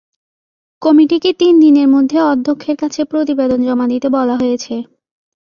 কমিটিকে তিন দিনের মধ্যে অধ্যক্ষের কাছে প্রতিবেদন জমা দিতে বলা হয়েছে।